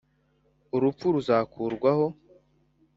Urupfu ruzakurwaho